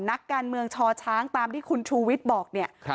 นักการเมืองชอช้างตามที่คุณชูวิทย์บอกเนี่ย